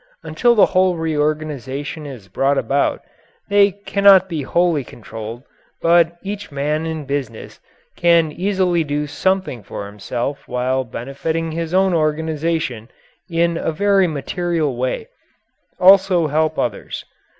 Until the whole reorganization is brought about, they cannot be wholly controlled, but each man in business can easily do something for himself and while benefiting his own organization in a very material way, also help others.